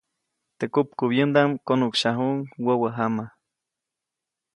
Teʼ kupkubyäŋdaʼm konuʼksyajuʼuŋ wäwä jama.